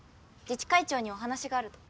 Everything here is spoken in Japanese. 自治会長にお話があると。